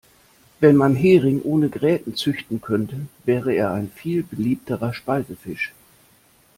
Wenn man Hering ohne Gräten züchten könnte, wäre er ein viel beliebterer Speisefisch.